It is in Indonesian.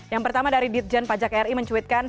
yang pertama dari ditjen pajak ri mencuitkan